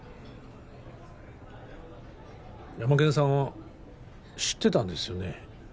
ヤマケンさんは知ってたんですよね？